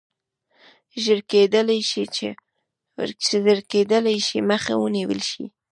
ژر کېدلای شي مخه ونیوله شي.